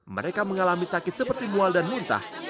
mereka mengalami sakit seperti mual dan muntah